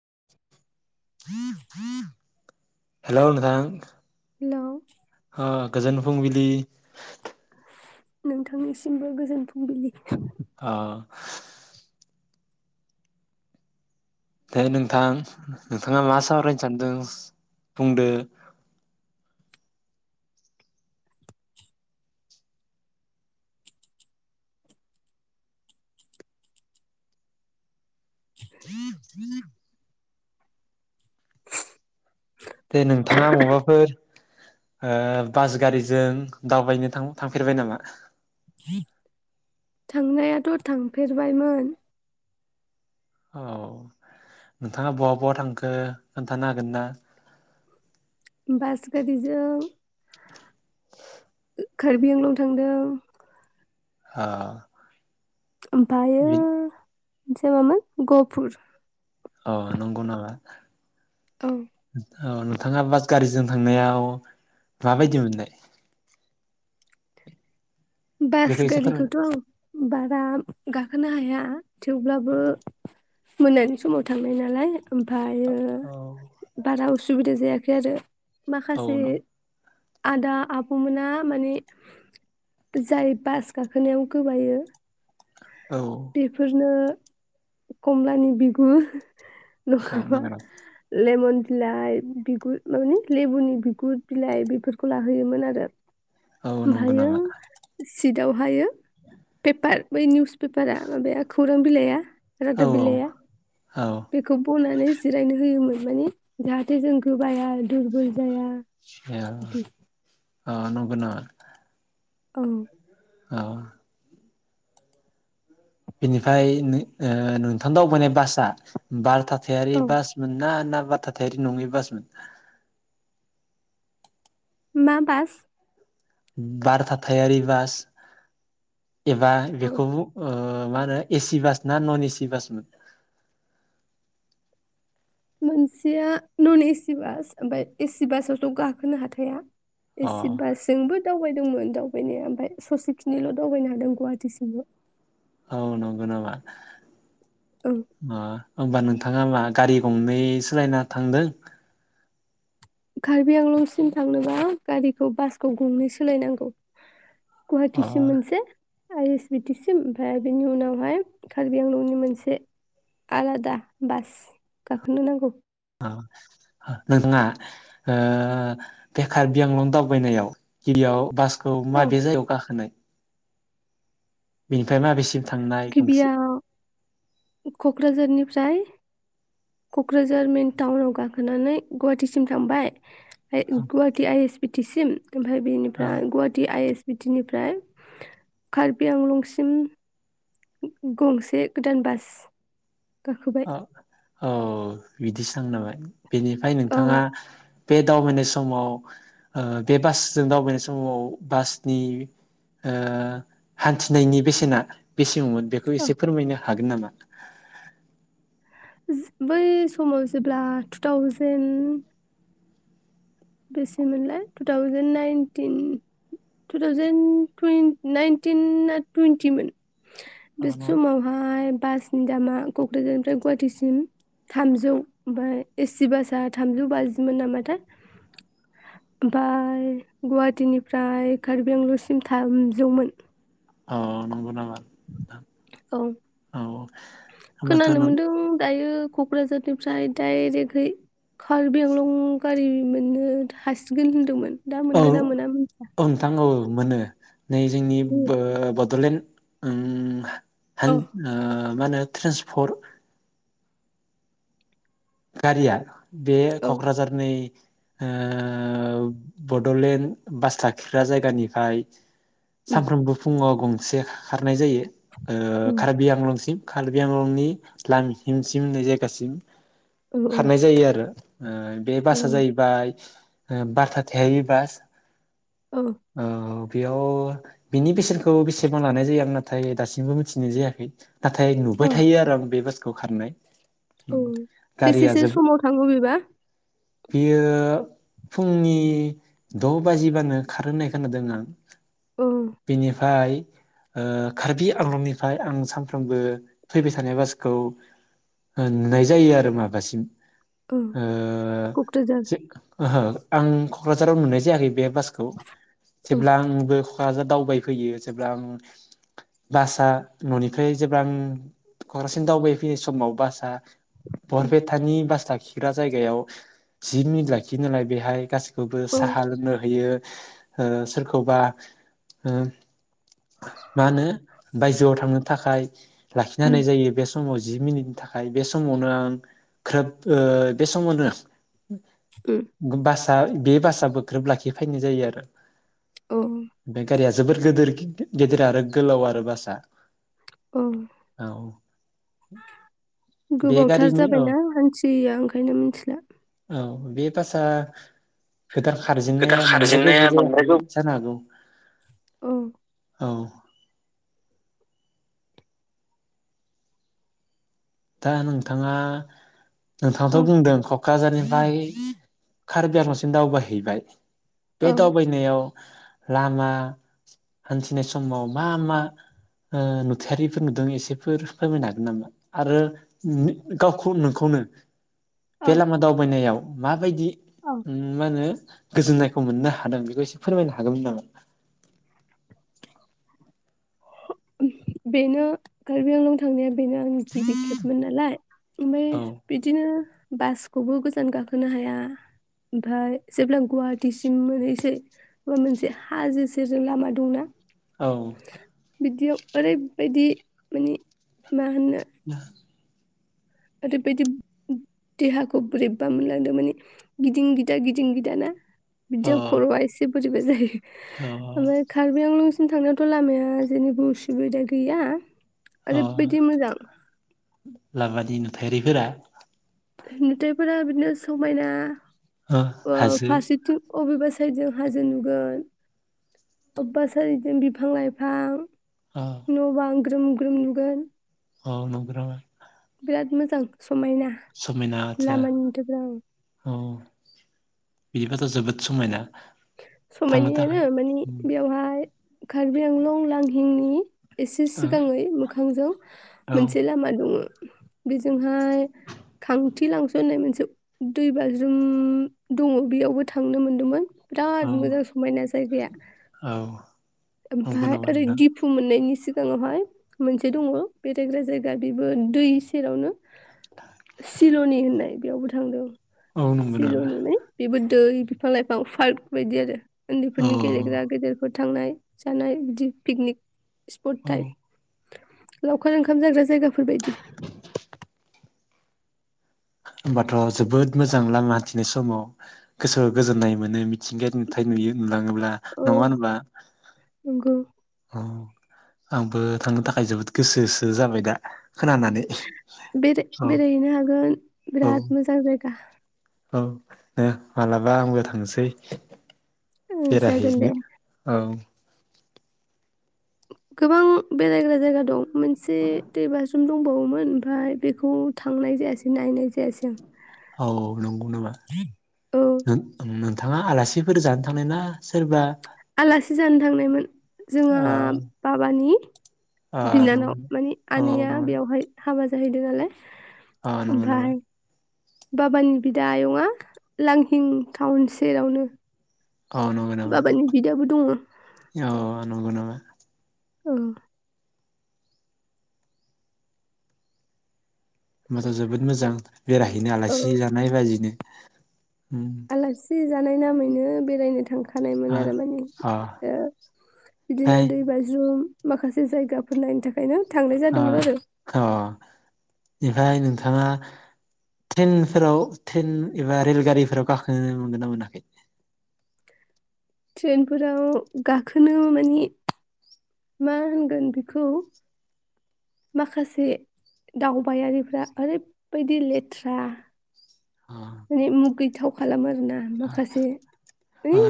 [inaudible] हेल' नोथां। हेलौ। गोजोन फुंबिलि। नोंथांनिसिमबो गोजोन फुंबिलि। आ दे नोंथां नोंथाङा मा सावरायनो सानदों बुंदो। [inaudible] दे नोंथाङा मबाफोर बास गारिजों दावबायनो थां थांफेरबाय नामा। थांनायाथ' थांफेरबायमोन औ नोंथाङा बहा बहा थांखो खोन्थानो हागोन ना। बास गारि जों। कार्बि आंलं थांदों। अ। ओमफायो। मोनसेरा मामोन गपुर। अ नंगौ नामा। औ। अ नोंथाङा बास गारिजों थांनायाव माबायदि मोननाय। बास बेखौ एसे फोरमायनो गारिखौथ'। बारा गाखोनो हाया थेवब्लाबो मोनानि समाव थांनाय नालाय ओमफ्राय औ [inaudible] बारा उस सुबिदा जायाखै आरो। औ माखासे नं आदा आब'मोना मानि जाय बास गाखोनायाव गोबायो औ बेफोरनो। कमलानि बिगुर औ नाङा बा नंगौ नामा लेमन बिलाइ बिगुर मानि लेबुनि बिगुर बिलाइ बेफोरखौ लाहोयोमोन आरो। औ नंगौ ओमफायो नामा सिट यावहायो पेपार बै निउज पे पेपारा माबाया खौरां बिलाइआ औ रादाब बिलाइआ औ औ बेखौ बनानै जिरायनो होयोमोन। माने जाहाथे जों गोबाया दुरबल जाया। बिदि [unintelligible] अ नंगौ नामा? औ औ बिनिफ्राय नो ओ नोंथां दावबायनाय बासआ बारथा यारि औ बास मोन ना? बा थाथायारि नंङै बासमोन? मा बास बार थाथायारि बास एबा औ बेखौ बु ओ मा होनो एसि बास ना नन एसि बास मोन? मोनसेया नन एसि बास ओमफ्राय एसि बासावथ' गाखोनो हाखाया। अ एसि बासजोंबो दावबाय दोंमोन दावबायनाया ओमफाय ससेखिनिल' दावबायनो हादों गुवाहाटीसिमल'। औ नंगो नामा? ओं मा होमबा नों नोंथाङा मा गारि गंनै सोलायना थांगोन? कार्बि आंलंसिम थांनोबा गारिखौ बासखौ गंनै सोलायनांगौ। अ गुवाहाटीसिम मोनसे। आइ एस बि टि सिम ओमफाय बेनि उनावहाय कार्बि आंलंनि मोनसे आलादा बास गाखोनो नांगौ। नोंथाङा ओ बे खारबिआंलं दावबायनायाव गिबियाव बास खौ औ माबे जायगायाव गाखोनाय? बेनिफ्राय माबेसिम थांनाय गंसे गिबिया क'क्राझारनिफ्राय। क'क्राझार मेन टाउनाव गाखोनानै गुवाहाटीसिम थांबाय औ गुवाहाट आइ एस बि टि सिम ओमफाय औ बेनिफ्राय Guwahati I S B T निफ्राय कार्बि आंलंसिम गंसे गोदान बास गाखोबाय अ औ बिदिसो थांना [unintelligible] बेनिफाय औ नोंथाङा बे दावबायनाय समाव ओ बे बासजों दावबायनाय समाव बासनि ओ हान्थिनायनि बेसेना बेस [unintelligible] मोन बेखौ औ एसे फोरमायना हागोन नामा? बै समाव जेब्ला टुथावजेेन बेसेमोनलाय two thousand nineteen two thousand twenty नाइनटिनना टुइन्टिमोन औ बि न समावहाय बास नि दामा क'क्राझारनिफ्राय गुवाहाटिसिम थामजौ ओमफाय एसि बासआ थामजौ बाजिमोन नामाथा ओमफाय गुवाहाटिनिफ्राय कार्बिआंलसिम थामजौमोन। अ नंगौ नामा? औ औ होमबाथ' खोनानो नों मोनदों दायो क'क्राझारनिफ्राय डाइरेक्टहै कार्बि आंलं गारि मोननो हासिगोन होनदोंमोन। दा औ मोनगोन ना मोना औ नोंथां औ मोनो नै मिथिया जोंनिबो बड'लेण्ड उम हान ओ माने ट्रेन्सपर गारिया बे क'क्राझारनि ओ‌ बड'लेण्ड बास खाखिग्रा जायगानिफाय सानफ्रोमबो फुङाव गं से खारनाय जायो ओ उम, खारबि आंलंसिम कार्बि आंलंनि लांहिमसिम होन्नाय जायगासिम औ खारनाय जायो आरो ओ बे औ बासआ जाहैबाय ओ बाथा थायो बास उ ओ बेयाव बिनि बेसेन खौ बेसेबां लानाय जायो आंना थाय दासिमबो मिथिनाय जायाखै नाथाय औ नुबाय थायो आरो आं बे बास खौ खारनाय [inaudible] औ बेसेसो जोबो समाव थाङो बेबा बियो फुंनि द' बाजिबानो खारो होनाय खोनादों आं। औ बिनिफाय ओ कार्बि आंलनिफ्राय आं सानफ्रोमबो फैबाय थानाय बासखौ ओ नुनाय जायो आरो मा माबासिम औ ओ कक्राझार जे ओहो आं क'क्राझाराव नुनाय जायाखै बे बासखौ औ जेब्ला आंबो क'क्राझार दावबायफैयो जेब्ला आं बासआ न'निफ्राय जेब्ला आं क'क्राझारसिम दावबायफैयो समाव बासआ बरपेटानि बास लाखिग्रा जायगायाव जि मिनिथ लाखियो नालाय बेहाय गासै खौबो साहा लोंनो होयो ओ सोरखौबा ओ मा होनो बायजोआव थांनो थाखाय लाखिनो हानाय उम जायो बे फुंआव जि मिनिटनि थाखाय बे समावनो आं ख्रोब ओ बे समावनो उम [inaudible] बास ओ बे बासआबो ग्रोब लाखि फैनाय जायो आरो। ओ। जोबोर गिदिर गेदिर आरो गोलाव आरो बासा। औ औ। बे गोबावथार गारिनि जाब औ बायना मानसिया ओंखायनो मिथिला। औ बे बासा गोदान खोथा खारजेननाया बांद्राय खारजेननाया गोबाव बांद्राय जायाखै गोबाव जानो हागौ। औ। औ। दा नोंथाङा औ नोंथाङाथ' बुंदों क'क्राझारनिफ्राय कार्बिआंलंसिम दावबाय हैैबाय। औ बेै दावबायनायाव लामा हानथिनाय समाव मा मा ओ नुथायारिफोर नुदों एसेफोर फोरमायनो हागोन नामा? आरो गावखौ नोंखौनो औ बेे लामा दावबायनायाव मााबायदि औ उम माहोनो गोजोननायखौ मोननो हादों बेखौ एसे फोरमायनो हागोनमोन नामा। बेनो कार्बिआंलं थांनाया। बेनो आंनि गिबि खेबमोन नालाय ओमफ्राय औ बिदिनो। बासखौबो गोजान गाखोनो हाया ओमफ्राय जेब्ला गुवाहाटिसिम मोनहैसै होनबा मोनसे हाजो सेरजों लामा दंना। औ। बिदियाव ओरैबायदि माने मा होननो। [unintelligible] ओरैबायदि देहाखौ बोरैबा मोनलांदों मानि गिदिं गिदा गिदिं गिदाना। अ बिदियाव खर'या एसे [unintelligible] अ ओमफ्राय कार्बिआंलं। जों थांनायावथ' लामाया जेबो उसुबिदा गैया। अ ओरैबायदि मोजां लामानि नुथायारिफोरा नुथायाइफोरा बिदिनो समायना ओ हाजो अबेबा सारिजों हाजो नुगोन अबेबा सारिजों बिफां लाइफां औ न' बां ग्रोम ग्रोम नुगोन अ नंगौ बिराद मोजां समायना समायना आदसा लामा नुथायफोरा अ औ बिदिबाथ' जोबोद समायना थांनो समायनायानो थाखाय माने बेयावहाय कार्बिआंलं लांहिनि एसे औ सिगाङै मोखांजों औ मोनसे लामा दङ बेजोंहाय खांथि लांस'नाय मोनसे दै बाजरुम दङ बेयावबो थांनो मोनदोंमोन औ बिराद मोजां समायना जायगाया औ नंगौ ओमफ्राय नामा ओरै नोंथां दिफु मोन मोननायनि सिगाङावहाय मोनसे दंङ बेरायग्रा जायगा बेबो दै सेरावनो सिल'नि होननाय बेयावबो थांदों औ नंगौ नामा सिरनिनि बेबो दै बिफां लाइफां पार्क बायदि आरो उन्दै औ फोरनि गेलेग्रा गेदेरफोर थांनाय जानाय बिदि पिकनिक स्पट औ टाइप लावखार ओंखाम जाग्रा जायगा बेफोरबायदि होमबाथ' जोबोद मोजां लामा हान्थिनाय समाव गोसोआव गोजोननाय मोनो मिथिंगायारि नुथाय नुयो नु थाङोब्ला नङा होनब्ला नोंगौ अ आंबो थांनो थाखाय जोबोद गोसोसो जाबाय दा खोनानानै बे औ बेरायहैनो हागोन औ बिराद मोजां जायगा औ दे मालाबा आंबो थांसै ओं जागोन दे बेरायहैनो औ गोबां बेरायग्रा जायगा दं मोनसे दै बाजरुम दंबावोमोन ओमफ्राय बेखौ थांनाय जायासै नायनो औ नंगौ नामा औ [inaudible] नोंथाङा आलासिफोर जानो थांनाय ना सोरबा आलासि जानो थांनायमोन जोंहा ओ बाबानि बिनानाव मानिे औ आनैया बेवहाय हाबा ज [unintelligible] ओ नंगौ नामा बाबानि बिदा आयंआ लांहिं टाउन सेरावनो औ नंगौ नाबा बाबानि बिदाबो दङ औ नंगौ नामा [inaudible] औ माथो जोबोद मोजां बेरायहैनो औ आलासि जानाय बाजैनो ओम आलासि जानाय नामैनो बेरायनो थांखा खानायमोन आ आरो माने अ ओ बिदिनो ओमफ्राय दै बाज्रुम माखासे जायगाफोर नायनो थाखायनो थांनाय आ जादोंमोन आरो अ ओमफ्राय नोंथाङा ट्रेनफोराव ट्रेन एबा रेलगारिफोराव गाखोनो मोनगोन ना मोनाखै? ट्रेनफोराव गाखोनो मानि मा होनगोन बेखौ माखासे दावबायारिफ्रा ओरैबायदि लेथ्रा अ माने मुगैथाव खालामो आरो ना अ, माखासे अ, ओइ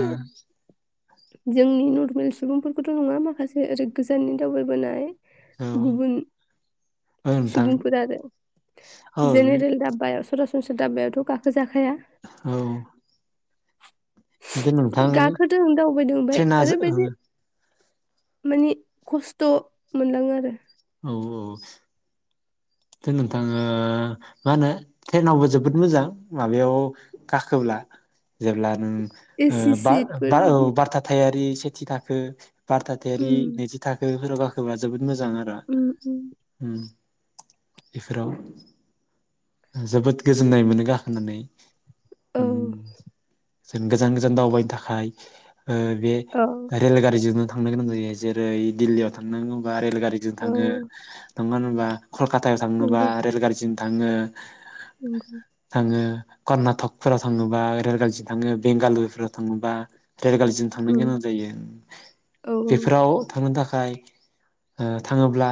जोंनि नर्मेल सुबुंफोरखौथ' नङा माखासे ओरै गोजाननि दावबायबोनाय औ गुबुन औ नोंथां सुबुंफोर आरो औ जेनेरेल दाब्याव सरास'नस्रा दस्रा दाब्बायावथ' गाखो [unintelligible] औ खिन्थु नोंथां [inaudible] गाखोदों दावबायदों ओमफ्राय ट्रेना जो- ओरैबायदि माने खस्थ' मोनलाङो आरो औ औ दा नोंथाङा मा होनो ट्रेनावबो जोबोद मोजां माबायाव गाखोब्ला जेब्ला नों एसि सिटफोर बिदि [unintelligible] सेथि थाखो बारथायारि उम नैथि थाखो फोराव गाखोबा जोबोद मोजां आरो उम उम उम। बेफोराव जोबोद गोजोननाय मोनो गाखोनानै। औ उम जों गोजान गोजान दावबायनो थाखाय ओ बे औ रेल गारिजोंनो थांनो गोनां जायो जेरै दिल्लीयाव थांनांगौबा रेलगारि- जों औ थाङो। [unintelligible] कल काथायाव थांनोबा नंगौ रेलगारिजों थाङो नंगौ थाङो। कर्नाटकफोराव थाङोबा रेलगारिजों थाङो बेंगालुरफोराव थाङोबा रेलगारिजों थांनो उम गोनां जायो औ बेफोराव थांनो था- खाय ओ थाङोब्ला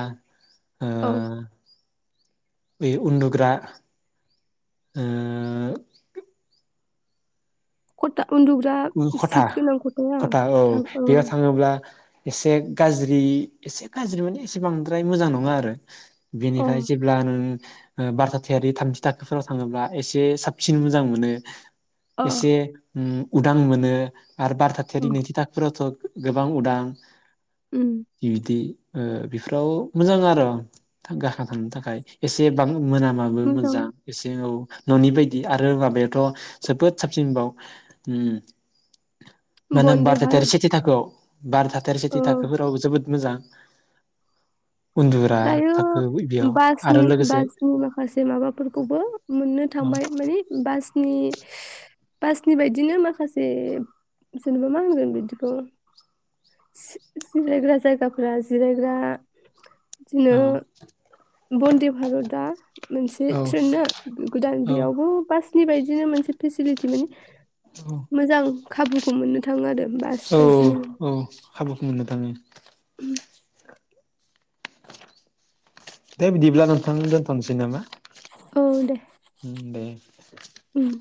ओ औ बे उन्दुग्रा ओ खता खथा खथा औ बेयाव थाङोब्ला एसे गाज्रि एसे गाज्रि माने एसे बांद्राय मोजां नङा आरो अ बेनिफ्राय जेब्ला नों ओ बार थाथियारि थामथि थाखोफोराव थाङोब्ला एसे साबसिन मोजां मोनो। अ एसे उम। उदां मोनो आरो बार थाथियारि अ नैथि थाखाफोराव थ' गोबां उदां उम इबिदि ओ बेफोराव मोजां आर' गाखोना थांनो थाखाय एसे बां मोनामाबो मोजां एसे औ। न'नि बायदि आरो माबायावथ' जोबोद साबसिन बाव। उम। मा होनो बन्दे बार थाथियारि भारत सेथि थाखोआव बारथाथियारि सेथि औ थाखोफोरावबो जोबोद मोजां। उन्दुग्रा दायो थाखो बेयाव आरो बासनि लोगोसे बासनि माखासे माबाफोरखौबो मोननो औ थांबाय माने बा बासनि बायदिनो माखासे जेनेबा मा होनगोन बिदिखौ जिरायग्रा जायगाफोरा जिरायग्रा बिदिनो औ बन्दे भारतआ मोनसे औ ट्रेननो गोदान औ बेयावबो बास नि बायदिनो मोनसे फेसिलिटि माने मोजां खाबुखौ मोननो थाङो आरो बास औ बायदिनो औ खाबुखौ मोननो थाङो ओम। दे बिदिब्ला नोंथां दोनथ'नोसै नामा? औ दे उम दे ओम।